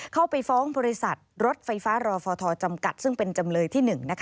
เข้าไปฟ้องบริษัทรถไฟฟ้ารอฟทจำกัดซึ่งเป็นจำเลยที่๑